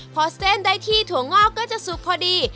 พอเส้นได้ที่ถั่วงอกก็จะสุกพอดี